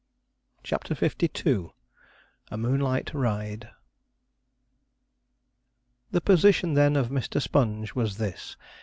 CHAPTER LII A MOONLIGHT RIDE The position, then, of Mr. Sponge was this.